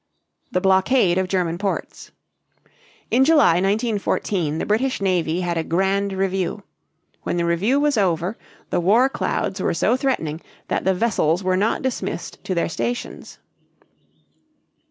THE BLOCKADE OF GERMAN PORTS. In July, 1914, the British navy had a grand review. When the review was over, the war clouds were so threatening that the vessels were not dismissed to their stations.